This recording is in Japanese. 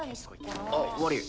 あっ悪ぃ。